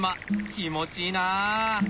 気持ちいいな！